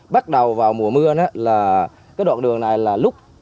bắt đầu vào mùa mưa là cái đoạn đường này là lúc